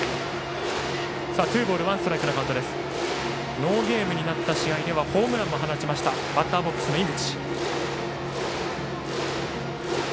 ノーゲームになった試合ではホームランも放ちましたバッターボックスの井口。